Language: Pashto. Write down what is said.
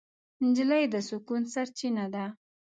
نجلۍ د سکون سرچینه ده.